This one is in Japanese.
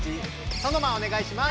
ソノマお願いします。